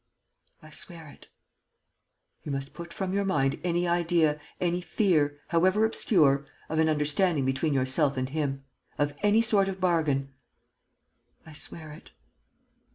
"I swear it." "You must put from your mind any idea, any fear, however obscure, of an understanding between yourself and him ... of any sort of bargain...." "I swear it."